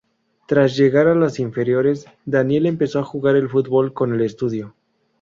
Tras llegar a las inferiores, Daniel empezó a juntar el fútbol con el estudio.